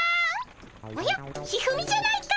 おや一二三じゃないか。